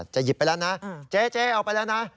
หยิบไปแล้วนะเจ๊เอาไปแล้วนะ